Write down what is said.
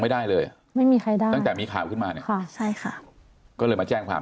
ไม่ได้เลยไม่มีใครแต่มีข่าวขึ้นมาใช่ค่ะก็เลยมาแจ้งความ